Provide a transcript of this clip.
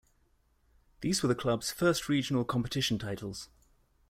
These were the club's first regional competition titles.